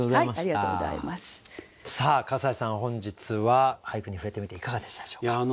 さあ笠井さん本日は俳句に触れてみていかがでしたでしょうか。